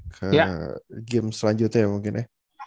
ke game selanjutnya ya mungkin ya